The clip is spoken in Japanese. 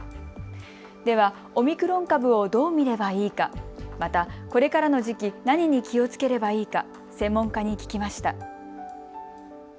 では、オミクロン株をどう見ればいいか、また、これからの時期、何に気をつければいいか専門家に聞きました。